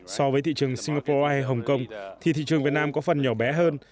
so với thị trường singapore ai hồng kông thì thị trường việt nam có phần nhỏ bé hơn